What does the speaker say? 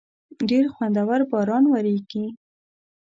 ډېر خوندور باران وریږی